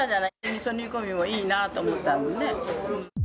みそ煮込みもいいなと思ったのよね。